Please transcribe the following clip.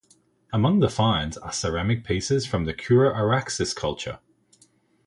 Among the finds are ceramic pieces from the Kura–Araxes culture.